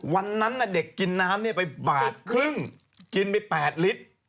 วันนั้นเด็กกินน้ำไปบาทครึ่งกินไป๘ลิตร